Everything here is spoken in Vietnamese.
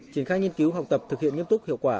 triển khai nghiên cứu học tập thực hiện nghiêm túc hiệu quả